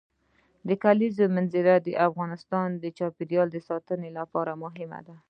د کلیزو منظره د افغانستان د چاپیریال ساتنې لپاره مهم دي.